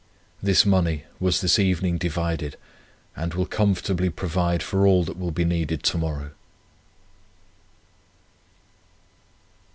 This money was this evening divided, and will comfortably provide for all that will be needed to morrow."